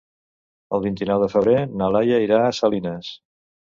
El vint-i-nou de febrer na Laia irà a Salines.